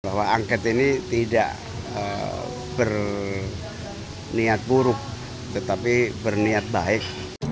bahwa angket ini tidak berniat buruk tetapi berniat baik